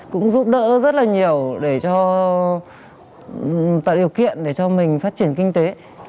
cũng giúp đỡ rất nhiều để tạo điều kiện để cho mình phát triển kinh tế